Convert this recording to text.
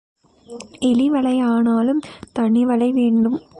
எலி வளையானாலும் தனி வலை வேண்டும்.